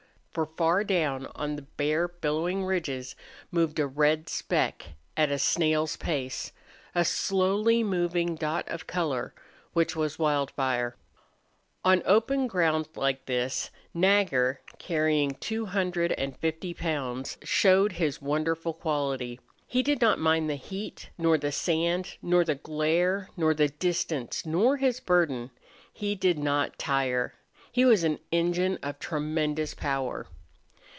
For far down on the bare, billowing ridges moved a red speck, at a snail's pace, a slowly moving dot of color which was Wildfire. On open ground like this, Nagger, carrying two hundred and fifty pounds, showed his wonderful quality. He did not mind the heat nor the sand nor the glare nor the distance nor his burden. He did not tire. He was an engine of tremendous power.